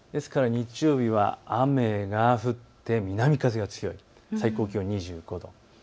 日曜日は雨が降って南風が強い、最高気温２５度。